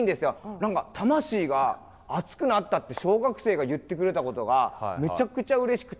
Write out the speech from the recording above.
何か「魂が熱くなった」って小学生が言ってくれたことがめちゃくちゃうれしくて。